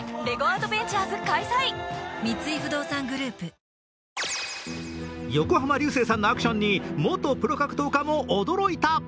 今後の仕事については横浜流星さんのアクションに元プロ格闘家も驚いた。